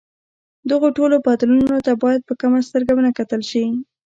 دغو ټولو بدلونونو ته باید په کمه سترګه ونه کتل شي.